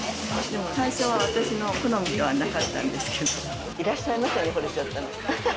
最初は私の好みではなかったんですけど、いらっしゃいませに惚れちゃったの。